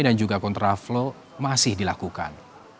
dan juga kontra flow masih dilakukan